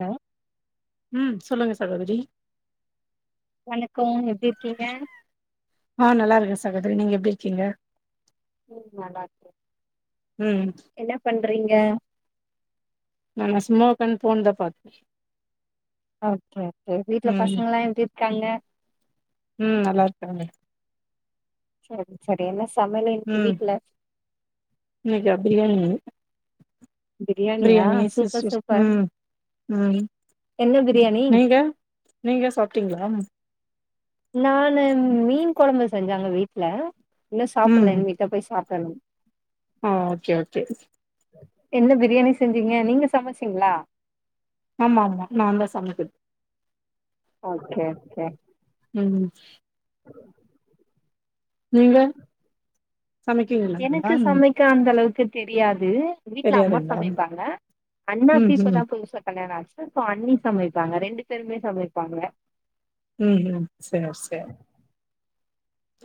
அ ம் சொல்லுங்க சகோதரி வணக்கோ எப்டி இருக்கீங்க ஆ நல்லா இருக்க சகோதரி நீங்க எப்டி இருக்கீங்க ம் நல்லாருக்கே ம் என்னப் பண்றீங்க நாங்க சும்மா உக்காந்து ஃபோன் தா பாத் ஓகே ஓகே வீட்ல ம் பசங்கெல்லா எப்டி இருக்காங்க ம் நல்லாருக்காங்க சரி சரி என்ன சமையல் இன்னைக்கி ம் வீட்ல இன்னைக்கா பிரியாணி பிரியாணியா சூப்பர் சிஸ்சிஸ் சூப்பர் ம் ம் என்ன பிரியாணி நீங்க நீங்க சாப்ட்டீங்ளா நானு மீன் கொழம்பு செஞ்சாங்க வீட்ல இன்னு சாப்பில்ல ம் இனிமேட் தா போய் சாப்படணு ஆ ஓகே ஓகே என்ன பிரியாணி செஞ்சீங்க நீங்க சமைச்சீங்ளா ஆம்மாமா நா தா சமைக்கிறது ஓகே ஓகே ம் நீங்க சமைக்குவீங்களா நல்லா எனக்கு ம். சமைக்க அந்த அளவுக்கு தெரியாது வீட்ல அம்மா தெரியாதுங்களா சமைப்பாங்க ம் அண்ணாக்கு ம் இப்பதா புதுசா கல்யாணோ ஆச்சி அண்ணி சமைப்பாங்க ரெண்டு பேருமே சமைப்பாங்க ம் ம் சேர் சேர்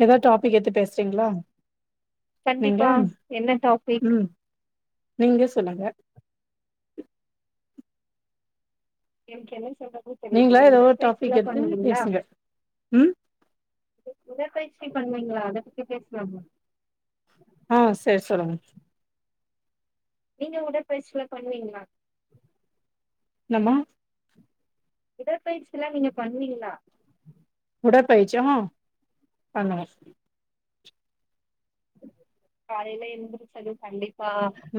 எதாவுது டாபிக் எடுத்து பேசுறீங்ளா கண்டிப்பா என்ன டாபிக் ம் நீங்க சொல்லுங்க எனக்கு என்ன சொல்றது நீங்களா எதோ ஒரு டாபிக் எடுத்து பேசுங்க ம் உடற்பயிற்சி பண்ணுவீங்ளா அத பத்தி பேசலாமா ஓ சரி சொல்லுங்க நீங்க உடற்பயிற்சி பண்ணுவீங்களா என்னம்மா உடற்பயிற்சில்லா நீங்க பண்ணுவீங்களா உடற்பயிர்ச்சியா ஆ பண்ணுவே காலையில எந்திருச்சதும் கண்டிப்பா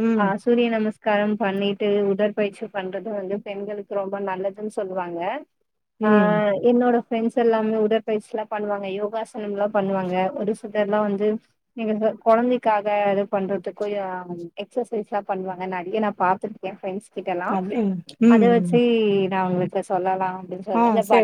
ம் ஆ சூரிய நமஸ்காரம் பண்ணிட்டு உடற்பயிற்சி பண்றது வந்து பெண்களுக்கு ரொம்ப நல்லதுன் சொல்லுவாங்க ஆ ம் என்னோட ஃப்ரெண்ட்ஸ் எல்லாமே உடற்பயிற்சி எல்லா பண்ணுவாங்க யோகாசனம் எல்லா பண்ணுவாங்க ஒரு சிலர்ல்லா வந்து நீங்க கொ கொழந்தைக்காக இது பண்றதுக்கு ஆ ம் எக்ஸசைஸ் ஆ பண்ணுவாங்க நறைய நா பாத்துருக்கே ப்ரெண்ட்ஸ் ட்டல்லா அப்டிங் அத ம் ம் வச்சி நா உங்களுக்கு சொல்லலா அப்படின் ஆ சொல்ல அந்த பாட்டு சரி